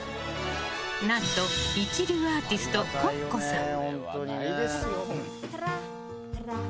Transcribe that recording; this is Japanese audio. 何と、一流アーティストＣｏｃｃｏさん。